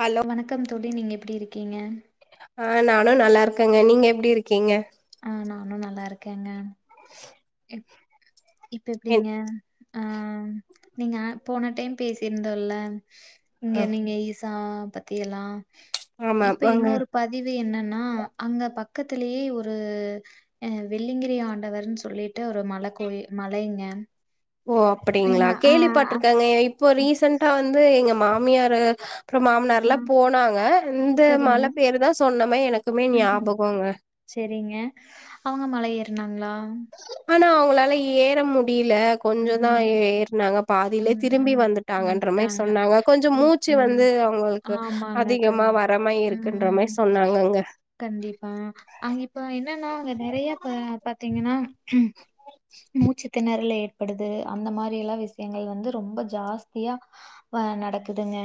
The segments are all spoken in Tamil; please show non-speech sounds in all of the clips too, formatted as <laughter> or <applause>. ஹலோ வணக்கம் தோழி நீங்க எப்டி இருக்கீங்க? ஆ நானு நல்லா இருக்கேங்க நீங்க எப்டி இருக்கீங்க? ஆ நானு நல்லா இருக்கேங்க உ இப்ப என் எப்டிங்க ஆ நீங்க போன டைம் பேசிருந்தோல்ல இங்க அ நீங்க ஈசா பத்தி எல்லா ஆமா இப்ப ஆமாங்க இன்னொரு பதிவு என்னன் னா அங்க பக்கத்துலயே ஒரு அ வெள்ளிங்கிரி ஆண்டவருன் சொல்லிட்டு ஒரு மல கோயி மலைங்க ஓ அப்புடிங்ளா நீங்க ஆ ஆ கேள்விப்பட்ருக்கங்க இப்பொ ரீசன்ட்டா வந்து எங்க மா மியாரு அப்றம் ஆ, மாமனார்ல போனாங்க இந்த சரிங்க மல பேரு தா சொன்னமே எனக்குமே ம் ஞாபகொங்க னாங்ளா ஆனா அவுங்களால ஏற மு டியில கொஞ்சொ தா ஏ ம் ஏற்னாங்க பாதிலே திரும்பி ம் வந்துட்டாங்கன்ற மாரி வந்துட்டாங்க சொன்னாங்க கொஞ்ச மூச்சு ம் வந்து அவுங்களுக்கு ஆமாங்க கண் அதிகமா வரமாய் இருக்குன்ற ம் மாரி சொன்னாங்கங்க கண்டிப்பா. இப்ப என்னன்னா, அ நெறைய ப பாத்தீங்கன்னா மூச்சு தெண றல் ஏற்படுது அந்த மாரி எல்லா விஸ் யங்கள் வந்து ரொம்ப ஜாஸ்தியா வ நடக்குதுங்க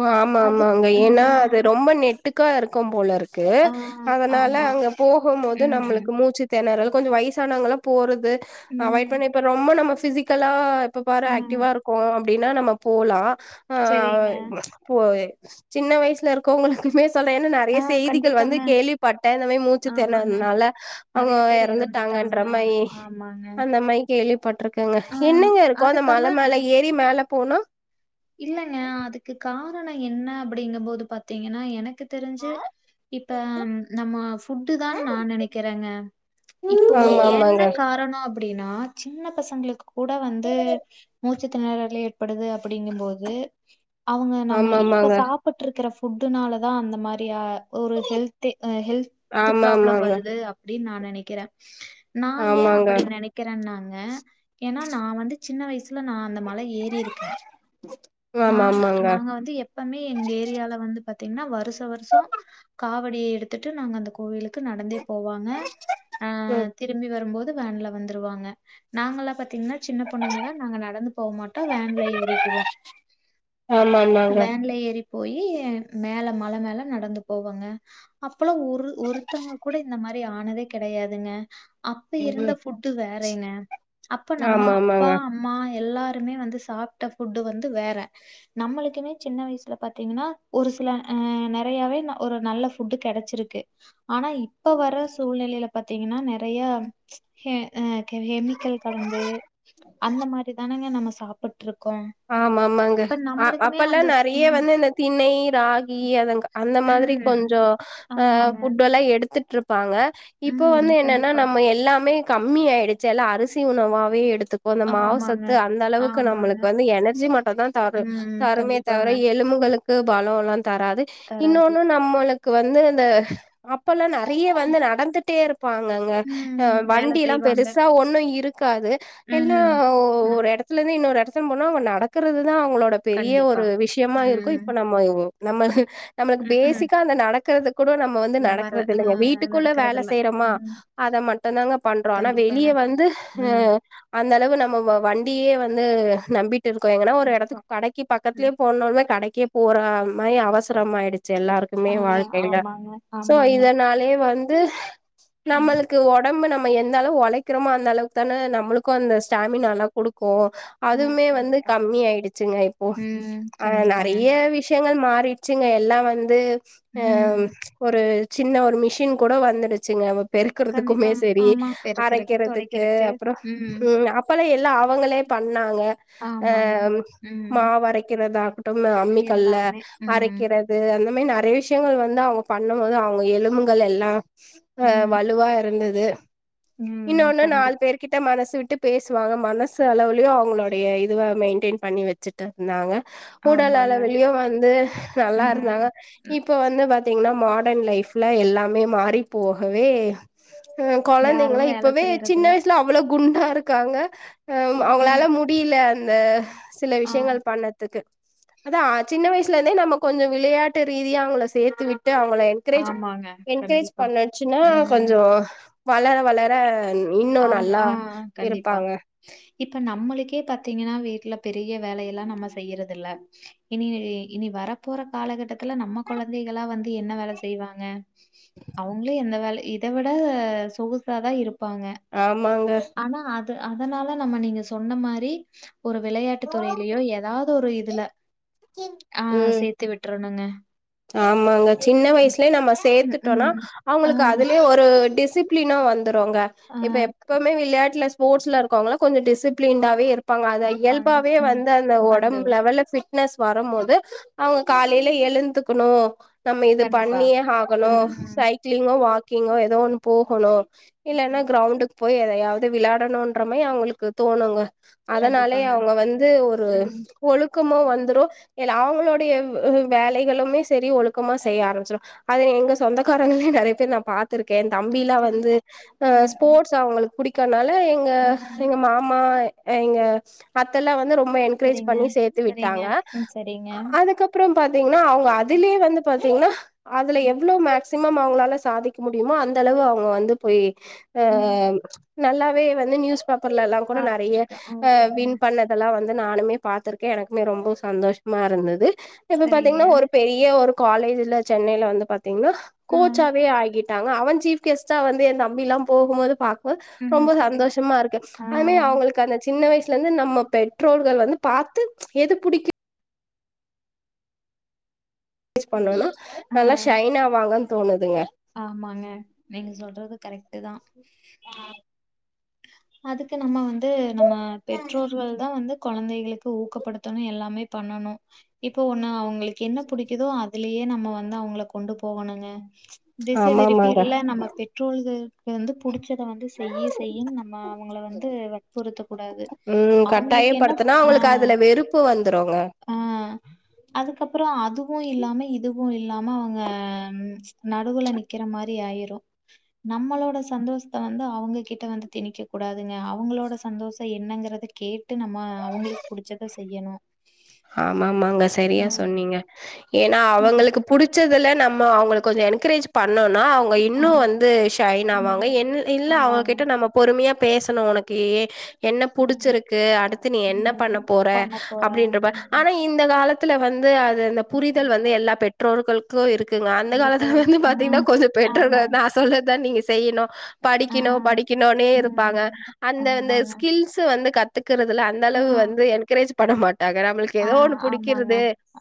ஒ ஆமா ஆமாங்க அதுக்கு அ ஏன்னா அது ரொம்ப நெ ட்டுக்கா இருக்கும் போலருக் கு ஆ அதனால ஆமா. அங்க போகும் மோது ம். நம்மளுக்கு மூச்சு தெணறல் கொஞ்சொ வயசானவங்கல்லா போறது அவாய்ட் ம். பண்ண இப்ப ரொம்ப நம்ம ஃபிசிக்கலா இப்ப பாரு ஆக்டிவா இருக்கோம் அப்டின்னா நம்ம போலா செரிங்க போய் சின்ன வயசுல இருக்கவங்களுக்குமே சொல்ற என்ன நெறைய ஆ செய்திகள் வந்து கண்டிப்பாங்க. கேள்விப்பட்டே இந்த மாரி ஆமாங்க. மூச்சிதெனறல்னால அவுங்க நெறைய பேர் எறந்துட்டாங்க. எறந்துட்டாங்கன்ற மாயி ஆமாங்க. அந்த மாயி கேள்விப்பட்ருக்கங்க ஆ என்னங்க இருக்கு அந்த மல அதுக்கெல்லாம் மேல ஏறி மேல போனா இல்லங்க அதுக் க்கு காரண என்ன அப்படிங்கும் போது பாாத்தீங்கன்னா எனக்கு தெருஞ்சு இப்ப நம்ம ஃபுட்டுதா நா நெனைக்கிறங்க இப்போ ஆமா என்ன ஆமாங்க காரணோ அப் அப்படின்னா சின்ன பசங்களுக்குக் கூட வந்து மு ச்சு திணறல் ஏற்படுது அப்படி அப்டிங்கும்போது அவங்க நம்ம ஆமா இப்ப ஆமாங்க சாப்பட்டு இருக்கற ஃபுட் ஃபுட்டுனாலதா அந்த மாரியா ஒரு ஹெல்தி ஹெல்த் ஆமா ஃப்ராப்ளம் ஆமாங்க வருது அப் அப்டின் நா நெனைக்கிற நா ஏ ஆமாங்க அப்படி நெனைக்கிறனா ங்க ஏனா நா வந்து சின்ன வயசு ல நா அந்த மலை ஏறியிருக்க ஆமா நாங்க ஆமாங்க நாங்க வந்து எப்பமே எங்க ஏரியால வந்து பாத்தீங்கன்னா வருஷ வருஷோ காவடிய எடுத்துட்டு நாங்க அந்த கோவிலுக்கு நடந்தேப் போவாங்க ஆ ம் திரும்பி வரும்போது வேன்ல வந்துருவாங்க நாங்கல்லா பாத்தீங்கன்னா சின்ன பொண்ணுங்கள நாங்க நடந்து போக மாட்டோ வேன்ல <unintelligible> ஆமா ஆமாங்க வேன்ல ஏறிப் போயி மேல மல மேல நடந்து போவோங்க அப் அப்பல்லா ஒரு ஒருத்தங்க கூட இந்த மாரி ஆனதே கெடையாதுங்க அப்ப இருந்த ம் ஃபுட்டு வேற் றைங்க அப்ப நம்மா ஆமா அப்பா ஆமாங்க அம்மா எல்லாருமே வந்து சாப் ட்ட ஃபுட்டு வந்து வேற நம்மளுக்குமே சின்ன வயசுல பாத்தீங்கன்னா ஒரு சில அ நெறையாவே ஒரு நல்ல ஃபுட்டு கெடச்சுருக்கு ஆனா இப்ப வர சூழ்நிலைல பாத்தீங்கன்னா நெறைய ம்ச் எ அ கெமிக்கல் கலந்து அந்த மாரி தானங்க நம்ம சாப் சாப்புட் ஆமா ஆமாங்க அ அப்பல்லா அந்த நறைய ம் வந்து இந்த திண்ணை ராகி அதங்க அந்த மாதிரி ம் கொஞ்சோ அ ஆமாங்க. ஃபுட்டு எல்லா எடுத்துட்ருப் இருப்ப ப்பாங்க இப்போ ம் வந்து என்னன்னா கண்டிப்பா. நம்ம எல்லாமே கம்மி ஆயிருச்சுல்ல அரிசி உணவாவே எடுத் துப்போ இந்த ஆமாங்க. மாசத்து அந்த அளவுக்கு ஆமாங்க. நம்மளுக் வந்து எனர்ஜி மட்டுந்தா தரு ம் தருமே தவர கண்டிப்பாங்க. எலும்புகளுக்கு து பலோல்லாந் தராது தராது. இன்னொன்னு நம்மளுக் க்கு வந்து இந்த அப்பல்லா ந நறைய வந்து நடந்துட்டே இருப் பாங்கங்க ஆ ம் வேல வண்டில்லாம் செய்வாங்க. பெருசா ஒண்ணு இருக் இருக்காது எல்லா ம். ஒரு நம் எடத்துல இருந்து இன்னொரு எடத் திரும்புனா அவ நடக்குறது தா அவங்களோட பெரிய கண்டிப்பா. ஒரு விஷ்யமா இருக்கு ம். இப்ப நம்ம நம்மளுக் நம்மளுக்கு ம்ஹ்ம். பேசிக்கா அந்த நடக் தேது கூட நம்ம வந்து வர நடக்குறது அ இல்லைங்க வீட்டுக்குள்ள வேல நடக்கறதில்ல. செய்றமா ம். அத மட்டுந்தாங்க பண்றோ ஆனா கண்டிப்பாங்க. வெளிய வந்து ம். அந்த அளவு நம் நம்ம வ வண்டியே வந்து நம்பிட் டு இருக்கு எங்க அண்ணாவ ஒரு எடத்துக்கு இருக்கும். கடைக்கு பக்கத்திலியே ம். போனாலுமே கடைக் கே போராமை அவசரம் ஆயிடு ச்சு எல்லாருக்குமே ஆ வாழ்க்கையில ஆமாங்க, சோ ஆமாங்க. இதனாலயே வந்து து ம். நம்மளுக்கு ஒடம்பு நம் நம்ம எந்த அளவு ஒழைக்கிறோமோ அந்த அளவுக்குதான நம்மளுக்கு அந்த ஸ்டாமினாலா குடுக்கு ஆ அதுமே வந்து கண்டிப்பா. கம்மி ஆயிடுச்சுங்க இப்போ ம் ஆ கண்டிப்பாங்க. நறைய விஷ்யங்கள் மாறி வச்சுங்க எல்லாம் வந்து ஆ ம். ஒரு சின்ன ஒரு மிஷின் கூட வந்துடுச்சுங்க கண்டிப்பா. பெருக்குறதுக்குமே சேரி ஆமா. பெருக்கறக்கு, அரைக்குறதுக்கு தொடைக்கிறக்கு. அப்புறோ ம் அப்பல்லா எல்லா அவங்களே பாத் நாங்க ஆமாங்க. ம். மாவு அரைக்கிறதா ஆகட்டு அம்மிக்கல்ல எல்லாமே. ம். அரைக்கிறது அந்த மேரி நறைய விஷ்யங்கள் வந்து அவங்க பண்ணும் போது அவங்க எலும்புகள் எல்லா ஆ ம். வலுவா இருந்தது து ம். இன்னொன்னு கண்டி நாலு பேர்கிட்ட மனசு ட்டு பேசுவாங்க மனசு அளவில ல அவங்களுடைய இதுவ மெயின்டென் பண்ணி வச்சுட்டு இருந்தாங்க ஆமாங்க. உடலலவுளியு வந்து நல்லா ம். இருந்தாங்க ம். இப்ப வந்து வ பாத்தீங்கனா மாடன் லைஃப்ல எல்லாமே மாறி போகவே ம் குழந்தைங்கள யாரும் வேல இப்பவே சின்ன செய்றதில்ல. வயசுல அவ்வள குண்டா இருக்காங்க ம். அவங்களால முடியல அந்த சில ஆ. விஷயங்கள் பண்ணதுக்கு அதா சின்ன வயஸ் ல இருந்தே நம்ம கொஞ்சம் விளையாட்டு ரீதியாக அவங்கள சேர்த்து விட் ட்டு அவங்கள என்கரேஜ் ஆமாங்க. என்கரேஜ் கண்டிப்பா. பண்ணச்சுன்னா ம். கொஞ்சம் வளர வளர ன் இன்னும் அவங்க நல்லா ஆ கண்டிப்பா. இருப்பாங்க இப்ப நம்மளுக்கே பாத்தீங்கன்னா வீட்டுல பெரிய வேல எல்லாம் நம்ம செய்யறது இல்ல இனி இனி வரப்போற காலகட்டத்துல நம்ம குழந்தைகளா வந்து என்ன வேலை செய்வாங்க அவங்களு எந்த வேல இதை விட சொகுசாதா இருப்பாங்க ஆமாங்க ஆனா அது அதனால நம்ம நீங்க சொன்ன மாரி ஒரு விளையாட்டு துறையிலயோ ஏதாவது ஒரு இதுல ஆ ம் சேத்து விட்டுருணுங்க ஆமாங்க சின்ன வயசுலயே நம்ம ம், சேர்த்துட்டோனா ம். ஆ, அவங்களுக்கு அதுலே ஒரு அ டிசிப்பிளினா வந்து ந்த்ருவாங்க ஆ இப்ப எப்பமே விளையாட்டுல ஸ்போர்ட்சு ல இருக்கவங்களங்கல கொஞ்ச டிசிப்ளினாவே இருப் ப்பாங்க அந்த இருப்பாங்க. இயல்பாவே ம். வந்து அந்த உடம்பு வந்துரும். லெவல்ல ஃபிட்னஸ் வரும் போது அவங்க காலையில எழுந்து க்கணும் நம்ம இது கண்டிப்பா. பண்ணியே ஆகணும் ம். சைக்கிளிங்கு வாக் க்கிங்க ஏதோ ஒண்ணு போகணு இல்லென கிரவுண்டு போய் எதையாவது விளாடணும்ன்றமாரி அவங்களுக்கு தோணுங்க அதனாலே கண்டிப்பாங்க. அவங்க வந்து ஒரு ம். ஒழுக் மு வந்துரு எல்லா அவங்களுடைய வேலைகளுமே சேரி ஒழுக்கமா செய்ய ஆரம்பிச்சிடு அத எங்க சொந்தக்காரங்களே நிறைய பேர் நா பாத்திருக் என் தம்பிலாம் சரி. வந்து அ ம் ஸ்போர்ட்ஸ் அவங்களுக் புடிக்கானல் ல்ல எங்க ம் எங்க மாமா இங்க அத்தெல்லா வந்து ரொம் ரொம்ப என்கரேஜ் சரிங்க பண்ணி சேர்த்து சரிங்க விட்டாங்க ம் சரிங்க அதுக்கப்புறம் பாத்தீங்கன்னா அவங்க அது திலியே வந்து பாத்தீங்கன்னா அதுல ம் எவ்வளோ மேக் க்சிமம் அவங்களால சாதிக்க முடியுமோ அந்த அளவு அவங்க வந்து போய் அ ம் நல்லாவே வந்து நியூஸ் பேப்பர்ல எல்லாம் கூட நறைய சாதிச்சிருக்கு ஓகேங்க வின் பண்ணதெல்லா வந்து நானுமே பாத்துருக்க எனக்குமே ரொம்ப சந்தோஷமா இருந்தது இப்ப சரிங்க பாத்தீங்கன்னா ஒரு ஒரு காலேஜ்ல சென்னைல வந்து பாத் திங்னா ம் கோச்சாவே ஆகிட் டாங்க அவன் சீப் கெஸ்டா வந்து எந் தம்பி எல்லா போகும்போது பா போது ம் ரொம்போ சரி சந்தோஷமா இருக்கு ஆ அதுமே அவங்களுக்கு அந்த சின்ன வயிசு வீட்லருந்து நம்ம பெற்றோர்கள் வந்து பாத்து எது புடிக்கு புஸ் பண்றாங்கனா ஆ நல்லா ஷைனாவாங்க <unintelligible> ஆமாங்க நீங்க சொல்றது கரெக்ட்டுதா அதுக்கு நம்ம வந் து நம்ம பெற்றோர்கள்தா வந்து கொழந்தைகளுக்கு ஊக்கப்படுத்தணு எல்லாமே பண்ணணு இப்போ ஒண்ணு அவங்ளுக்கு என்ன புடிக்குதோ அது அதுலயே நம்ம வந்து அவங்கள கொண்டு போகணுங்க திச ஆமா திருப்பி ஆமாங்க இல்ல நம்ம பெற்றோர்கள் இது வந்து புடிச்சத வந்து செய் நம்ம அவங்கள வந்து வற்புறுத்தக் கூடாது ம் அவங்களுக்கு என்ன கட்டாயப்படுத்துனா ஆ அவங்களுக்கு அதுல வெறுப்பு வந்துருங்க அ அதுக்கப்பறோ அது அதுவு இல்லாம இதுவு இல்லாம அவங்க நடுவுல நிக்குற மாரி ஆயிரு நம்மளோட சந்தோஷத்த வந்து அவங்க கிட் ட வந்து திணிக்க கூடாதுங்க அவங்களோட சந்தோஷ என்னங்கறத கேட்டு நம்ம அவங்களுக்கு புடிச்சத செய்யணு ஆமாமாங்க சரியா ம் சொன்னீங்க ஏன்னா ம் அவங்களுக்கு புடுச்சதுல நம்ம அவங்களுக்கு கொஞ்சோ என்கரேஜ் பண்ணோன் நா அவங்க இன்னு ஆமா வந்து ஷைன் ஆவாங்க ம் இல்ல ஆமாங்க அவங்ககிட்ட நம்ம பொறுமியா பேசணு உனக்கே என்ன ம் புடுச்சுருக்கு அடுத்து நீ என்ன ம் பண்ண போற பண்ண போற அப்டின்றப்ப ம் ஆனா இந்த காலத்து வந்து அது அந்த புரிதல் வந்து எல்லா பெற்று மற்றோர்களுக்கோ இரு இருக்குங்க அந்த காலத்துல இருக்கிறது வந்து ஆ பாத்தீங்கன்னா கொஞ்சம் பெற்றோர்கள் ஆமாங்க தான் சொல்றதுதான் நீங்க செய்யணும் ஆ படிக்கணும் படிக்கணும்னே இருப்பாங்க ம் அந்த அந்த ஆமாங்க ஸ்கில்ஸ் வந்து க இருறதுல அந்த அளவு வந்து என்கரேஜ் பண்ண மாட்டாங்கன்னா ஆஹ் ஆமாங்க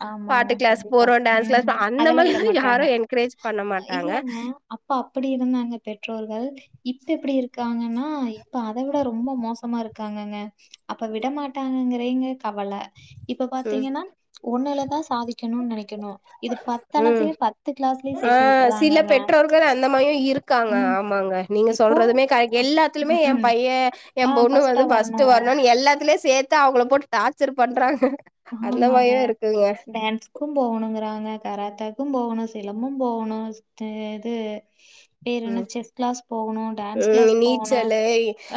ஆமாங்க பாட்டு கிளாஸ் கண்டிப்பா போறோ டான்ஸ் கிளாஸ் உம் அந்த அதெல்லாம் மாரிலா யாரு விடமாட்டாங்க என்கரேஜ் பண்ண மாட்டாங்க இல்லங்க அப்ப அப்படி இருந்தாங்க பெற்றோர்கள் இப்ப எப்படி இருக்காங்கன்னா ஆஹ் இப்ப அதை விட ரொம்ப மோசமா இருக்காங்கங்க அப்ப விட மாட்டாங்கங்க ங்க கவலை உ சாதிக்கணும்னு நெனைக்கணும். இது உம் கிளாஸ்லயும் சேர்த்து ஆஹ் சில விட்டுறாங்கங்க. பெற்றோர்கள் அந்த மாதிரியும் இருக்காங்க ம். ஆமாங்க நீங்க இப்போ சொல்றதும கர்ட் அ எல்லாத்துலுமே ம், என் ம். பையன் ஆ என் பொண்ணு ஃபர்ஸ்ட்டா வந்து பஸ்ட்ட் வரணும். வரணும்னு எல்லாத்துலயும் சேர்த்து அவங்களளை போட்டு டார்ச்சர் பண்றாங்க அந்த ஆமாங்க மாரியு இருக்குங்க டான்ஸுகும் போகணுங்கிறாங்க கராத் போகணும் சிலம்பும் போகணும் இது வேற என்ன உம் செஸ் கிளாஸ் போகணு டான்ஸ் கிளாஸ் போகணு நீச்சல்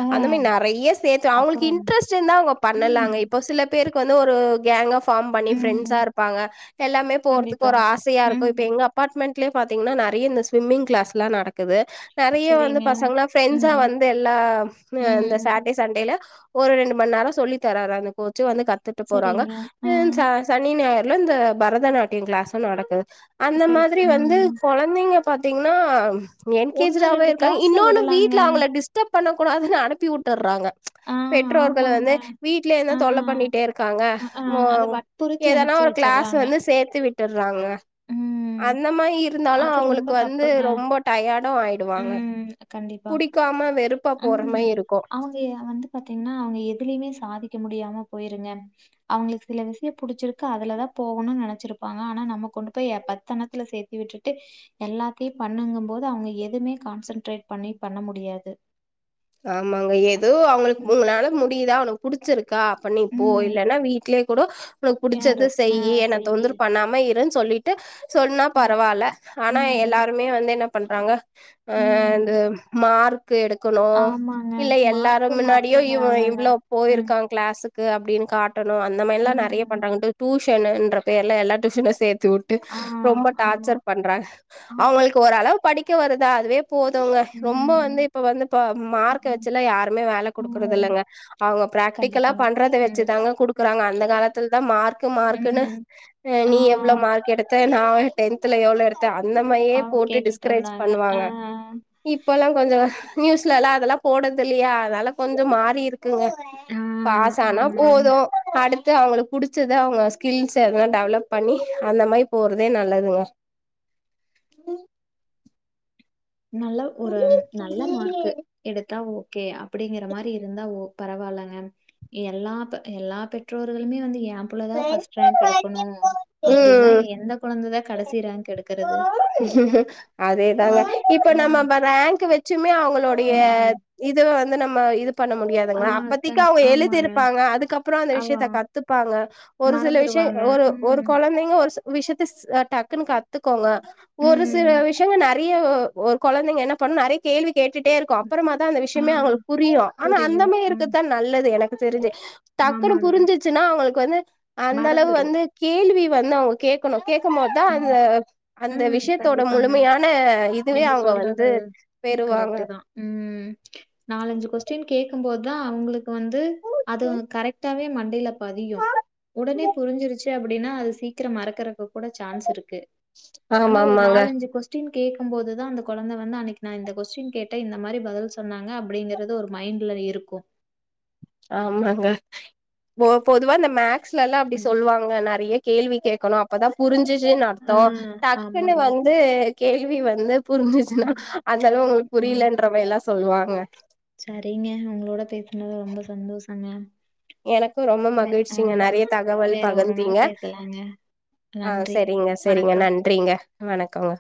ஆ அந்த மாதிரி நிறைய சேர்த்த அவங்களுக்கு அப்புறம் இன்ட்ரெஸ்ட் இருந்தா அவங்க பண்ணலாங்க ம் இப்ப சில பேருக்கு வந்து ஒரு கேங் ஆஃப் பபார்ம் பண்ணி ஃண்ட்ஸா ம் இருப்பாங்க எல்லாமே போறதுக்கு கண்டிப்பா ஒரு ஆசையா இரு இப்ப ம் எங்க அப்பார்ட்மெண்ட் பாத்தங்கன்னா நிறைய இந்த ஸ்விம்மிங் கிாஸ் எலாம் நடக்கும் இருக்குது நிறைய வந்து சரிங்க பசங்களாம் ப்ரெண்ட்ஸா ம் வந்து எல்லா இந்த ம் சேட்டர்டே சண்டேல ஒரு ரெண்டு மணி நேரம் சொல்லி தர்ராரு அவனுக்கு வந்து கத்துட்டு போறாங்க சரிங்க ஆ சனி ஞாயிறு இந்த பரதநாட்டியம் கிளாஸ்ம் நடக்குது அந்த சரி மாதிரி வந்து ம் குழந்தைங்க பாத்தீங்கன்னா என் ஒண்ணு கேஜராவவே ரெண்டு இருக்காங்க கிளாஸ்ல இன்னொன்னு விடலாங்க வீட்டுல அவங்கள டிஸ்டர்ப் பண்ணக்கூடாதுன்னு அனுப்பி விட்டுடுறாங்க ஆ பெற்றோர்கள் ஆமாங்க வந்து வீடலய ஆ இருந்தான் தொல்லை பண்ணிட்டே இருக்காங்க அ ஆ அத வற்புறுத்தி எதனா அனுப்பிச்சு ஒரு கிளாஸ் வச்சர்றாங்க வந்து சேர்த்து விட்டு விட்டுராங்க ம் அந்த மாதிரி இருந்தாலும் அது ரொம்ப அவங்களுக்கு வந்து தப்புங்க ரொம்ப டயர்டும் ஆயிடுவாங்க. ம் கண்டிப்பா புடிக்காம வெறுப்பா போற ம் மாரி இருக்கும். அவங்க வந்து பாத்தீங்னா அவங்க எதுலயுமே சாதிக்க முடியாம போயிருங்க. அவங்களுக்கு சில விஷயோ புடிச்சிருக்கு அதுலதா போகணுன்னு நெனைச்சிருப்பாங்க ஆனா நம்ம கொண்டு போய் ஏ பத்து அன்னத்துல சேத் தி விட்டுட்டு எல்லாத்தயு பண்ணுங்கும்போது அவங்க எதுமே கான்சன்ட்ரேட் பண்ணி பண்ண முடியாது. ஆமாங்க எ தோ அவங்களுக் உங்கனால முடி யுதா உனக்கு புடிச்சிரு க்கா அப்ப நீ போ ம். இல்லன்னா வீட்லயே கூடோ உனக்கு யாரு? புடிச்சத ஆ செய்யி என்ன செய்யி. தொந்தரவு பண்ணாம இருன்னு சொல்லிட்டு சொன்னா பரவால்ல. ஆனா ம். எல்லாருமே வந்து என்ன பண்றாங்க ஆ இந்த ம். மார் க்கு எடுக்கணு ஆமாங்க. இல்ல எல்லாரு மார்க்கு, முன்னாடியு இவ மார்க்குங்கிறாங்கங்க. இவ்ளோ ம். போயிருக்கா கிளாஸு க்கு அப்டின்னு கா ட்டணு அந்த மாரிலா நெறைய ம். பண்றாங்க இந்த டியூஷ னுன்ற பேர்ல எல்லா டியூஷனு சேத் து விட்டு ஆ. ரொம்ப ஆமா. டார்ச்சர் பண்றாங்க. ஆமா. அவங்களுக்கு ஓரளவு படி க்க வருதா அதுவே போதுங்க ரொம்ப வந்து ம். இப்ப வந்து பா மார்க் ம். வச்சு எல்லா யாருமே வேல குடுக்குறது ம். இல்லங்க. அவங்க பிராக்டிகலா கண்டிப்பாங்க. பண்றத ம். வச்சுதாங்க குடுக்க றாங்க. அந்த காலத்துலதா மார் க்கு மார்க்குனு ம். ஆ நீ எவ்ளோ மார்க் எடுத் த நா டென்த்துல எவ்ளோ எடுத் த அந்த மாரியே ஆ போட்டு கேட்டுட்டு டிஸ்கரேஜ் இருந்தாங்க. ஆ, பண்ணுவாங்க. இப்பல்லா கொஞ்ச நியூஸ் லலா அதெல்லா போடறது இல்லையா அதனால கொஞ்ச மாறி இரு க்குங்க. ஆ, பாஸ் ஆனா ஆமாங்க. போது அடுத் து அவங்களுக்கு புடிச்சத அவங்க ஸ்கில்ஸ் எதுனா டெவலப் பண்ணி அந்த மாரி போறதே நல்லதுங்க. நல்ல ஒரு நல்ல மார்க்கு எடுத்தா ஓ கே அப்படிங்கிற மாரி இருந்தா ஓ பரவால்லங்க. எல்லா ப் எல்லா பெற்றோர்களுமே வந்து ஏ ன் புள்ளதா ஃபஸ்ட் ரேங்க் எடுக்கணு அப்படின்னா எந்த கொழந்ததா ம் கடைசி ரேங்க் எடுத்து ஆ, அதேதாங்க இ இப்ப ஆ, நம்ம ரேங்க் வச்சுமே அவங்களுடைய ம். இது வந்து நம்ம இது பண்ண ஆ, முடியாதங்க அப்பத்தக்கு கண் அவங்க ஆமாங்க. எழுதிருப்பாங்க அதுக்கப்புறம் அந்த அவ விஷயத்த கத்துப்பாங்க ஒரு சில விஷயம் மறந்துருவாங்க. ஒரு ஒரு ம், குழந்தைங்க ஒரு விஷயத்து டக்கு காத்த கத்துக்கோங்க ஒரு சில ம். விஷயங்க ந நெறைய ஒரு குழந்தைங்க என்ன பண்ணும் நெறைய கேள்வி கேட்டுட்டே இருக்கும் அப்புறமா தான் அந்த ஆ, விஷயமே அவங்களுக்கு புரியும் ஆனா புரியும். அந்தமே ம். இருக்குத்தான் நல்லது எனக்கு தெரிது டக்குனு ஆமாங்க. புரிஞ்சிச்சுன்னா அவங்களுக்கு வந்து அந்த அளவு மறந்துரும். வந்து கேள்வி வந்தா அவங்க கேட்கணும் கேட்கும்போதுதான் அந்த உஹம் விஷயத்தோட கண்டிப்பாங்க முழுமையான இதுவே நீங்க அவங்க வந்து சொல்றது பெறுவாங்க கரெக்ட் தான் உம் நாலஞ்சு கொஸ்டின் கே போதுதான் அவங்களுக்கு வந்து அது கரெக்டாவே மண்டையில பதியும் உடனே புரிஞ்சிருச்சு அப்படின்னா அது சீக்கிரம் மறக்கற கூட சான்ஸ் இருக்கு ஆனா ஆமா ஒரு ஆமாங்க நாலஞ்சு கொஸ்டின் கேக்கும் போதுதான் அந்த குழந்தை வந்து அன்னைக்கு நான் இந்த கொஸ்டின் கேட்டன் இந்த மாதிரி பதில் சொன்னாங்க அப்படிங்கறது ஒரு மைண்ட்ல இருக்கும் ஆமாங்க பொதுவா இந்த மேக் ஸ்ல எல்லாம் அப்படி ம். சொல்லுவாங்க நெறைய கேள்வி கேட்கணும் அப்பதான் புரிஞ்சு ஆ, நடத்தோம் டக்குன்னு ஆமாங்க. வந்து கேள்வி வந்து புரிஞ்சுச்சுன்னா ம், அந்த அளவு உங்களுக்கு ம். புரியலன்றவ சொல்லுவாங்க சரிங்க உங்களோட பேசுனது ரொம்ப சந்தோஷம் அ எனக்கும் ரொம்ப மகிழ்ச்சிங்க நெறைய தகவல் வேற ஒரு பகிர்ந்தீங்க நாள் பேசலாங்க. ஆஹ் நன்றி. சரிங்க சரிங்க வணக்கம். நன்றிங்க வணக்கங்க